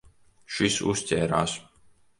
Šis uzķērās.